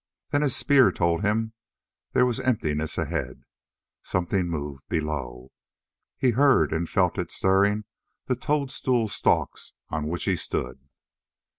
Then his spear told him there was emptiness ahead. Something moved, below. He heard and felt it stirring the toadstool stalks on which he stood.